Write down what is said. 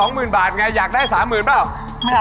๒หมื่นบาทไงอยากได้๓หมื่นบาทเปล่า